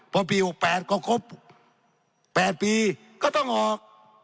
พอปี๖๘ก็ครบ๘ปีก็ต้องออก